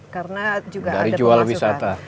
karena juga ada pemasukan